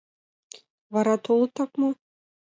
— Вара толытак мо?